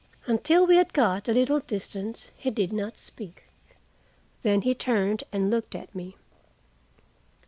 Until we had got a little distance he did not speak; then he turned and looked at me.